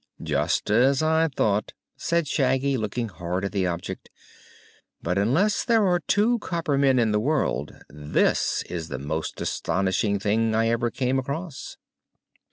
"Just as I thought," said Shaggy, looking hard at the object. "But unless there are two copper men in the world this is the most astonishing thing I ever came across."